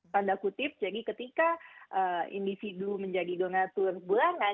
tanda kutip jadi ketika individu menjadi donatur bulanan